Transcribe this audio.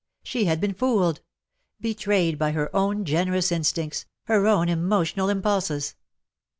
She had been fooled — betrayed by her own generous instincts — her own emotional impulses.